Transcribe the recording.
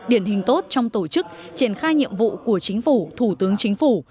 điển hình tốt trong tổ chức triển khai nhiệm vụ của chính phủ thủ tướng chính phủ